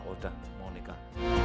oh udah mau nikah